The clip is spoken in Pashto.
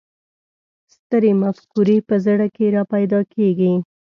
سترې مفکورې په زړه کې را پیدا کېږي.